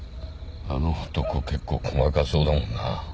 あの男結構細かそうだもんな。